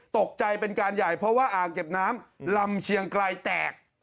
เป็นการใหญ่เพราะว่าอ่างเก็บน้ำลำเชียงไกลแตก